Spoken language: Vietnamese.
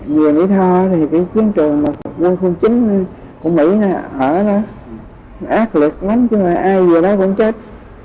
vừa mỹ tho thì cái chuyến trường văn phòng chính của mỹ ở đó ác lực lắm chứ ai vừa đó cũng chết